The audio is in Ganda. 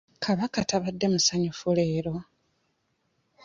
Kabaka tabadde musanyufu leero.